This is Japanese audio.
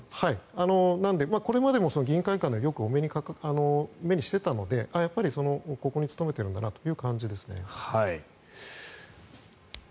なので、これまでも議員会館ではよく目にしていたのでやっぱりここに勤めているんだなという感じですね。